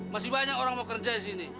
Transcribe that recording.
masih banyak orang mau kerja di sini